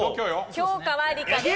教科は理科です。